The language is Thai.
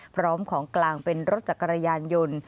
พร้อมของกลางเป็นรถจักรยานยนต์